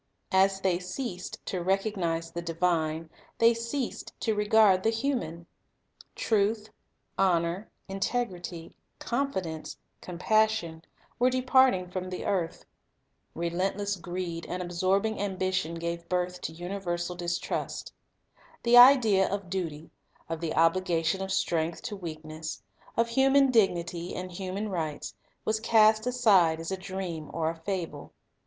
As they ceased to recognize the Divine, they ceased to regard the human. Truth, honor, integrity, con fidence, compassion, were departing from the earth. Relentless greed and absorbing ambition gave birth to universal distrust. The idea of duty, of the obligation of strength to weakness, of human dignity and human rights, was cast aside as a dream or a fable.